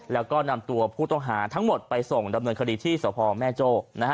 แล้วก็นำตัวผู้ต้องหาทั้งหมดไปส่งดำเนินคดีที่สพแม่โจ้